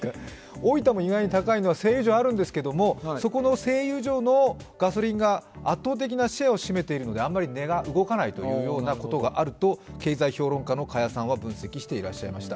大分も意外に高いのは、製油所あるんですが、そこの製油所のガソリンが圧倒的なシェアを占めているのであまり値が動かないということがあると経済評論家の加谷さんは分析していらっしゃいました。